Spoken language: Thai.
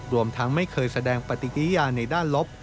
รวมทั้งไม่เคยแสดงปฏิกิริยาในด้านลบ